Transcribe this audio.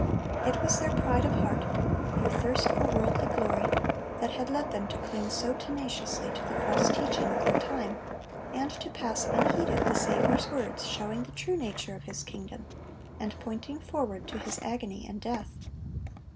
It was their pride of heart, their thirst for worldly glory, that had led them to cling so tenaciously to the false teaching of their time, and to pass unheeded the Saviour's words showing the true nature of His kingdom, and pointing forward to His agony and death.